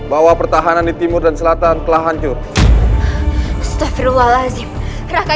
berjuanglah putra putriku